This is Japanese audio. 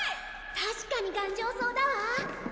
確かに頑丈そうだわ。